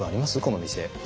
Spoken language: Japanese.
この店。